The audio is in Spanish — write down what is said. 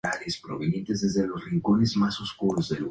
Su líder se llama Sasha.